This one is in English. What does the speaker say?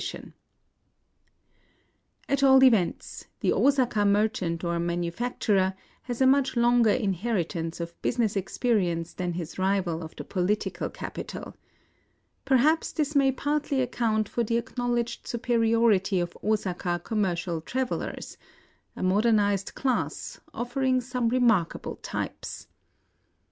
n At all events, tlie Osaka merchant or manu facturer has a much longer inheritance of business experience than his rival of the polit ical capital. Perhaps this may partly account for the acknowledged superiority of Osaka commercial travelers ; a modernized class, of fering some remarkable types.